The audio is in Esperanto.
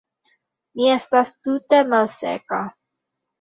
Mi estas tute malseka.